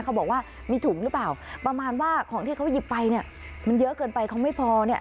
เขาบอกว่ามีถุงหรือเปล่าประมาณว่าของที่เขาหยิบไปเนี่ยมันเยอะเกินไปเขาไม่พอเนี่ย